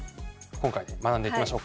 今回で学んでいきましょうか。